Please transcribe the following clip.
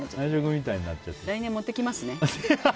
来年、持ってきますね。